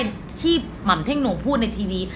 ช่ายที่ม่ำเท่งโน่งพูดในทีวี